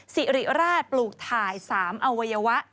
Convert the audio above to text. สิริราชปลูกถ่าย๓อวัยวะ